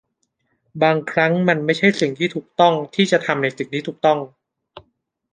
บางครั้งมันไม่ใช่สิ่งที่ถูกต้องที่จะทำในสิ่งที่ถูกต้อง